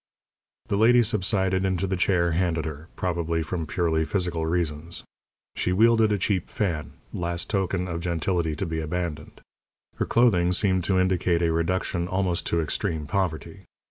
The lady subsided into the chair handed her, probably from purely physical reasons. She wielded a cheap fan last token of gentility to be abandoned. Her clothing seemed to indicate a reduction almost to extreme poverty.